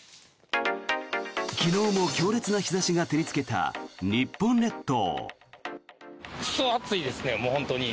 昨日も強烈な日差しが照りつけた日本列島。